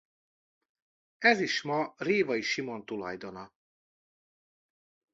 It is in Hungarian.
Ez is ma Révay Simon tulajdona.